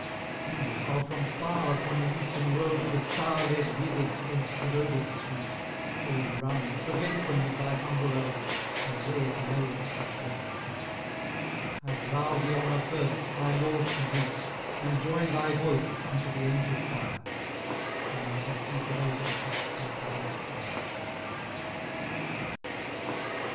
IV See how from far upon the Eastern rode The Star led Wisards haste with odours sweet, O run, prevent them with thy humble ode, And lay it lowly at his blessed feet; Have thou the honour first, thy Lord to greet, And joyn thy voice unto the Angel Quire, From out his secret Altar toucht with hallow'd fire.